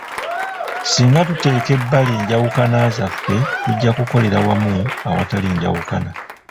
Singa tuteeka ebbali enjawukana zaffe tujja kukolera wamu awatali njawukna.